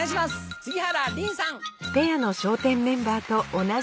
杉原凜さん。